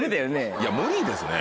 いや無理ですね